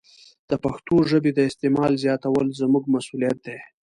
د پښتو ژبې د استعمال زیاتول زموږ مسوولیت دی.